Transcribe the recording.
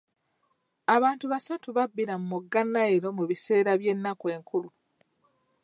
Abantu basatu babbira mu mugga Nile mu biseera by'ennaku enkulu.